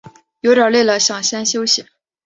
有点累了想先休息